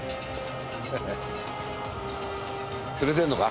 釣れてんのか？